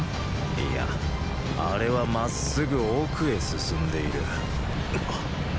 いやあれはまっすぐ奥へ進んでいる。